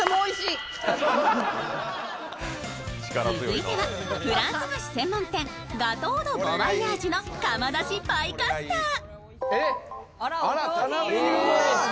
続いてはフランス菓子専門店、ガトー・ド・ボワイヤージュの窯出しパイカスター。